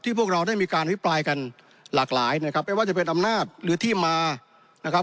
พวกเราได้มีการอภิปรายกันหลากหลายนะครับไม่ว่าจะเป็นอำนาจหรือที่มานะครับ